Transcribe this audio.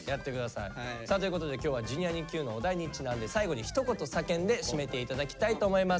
さあということで今日は「Ｊｒ．にＱ」のお題にちなんで最後にひと言叫んで締めていただきたいと思います。